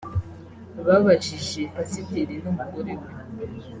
babajije pasiteri n’umugore we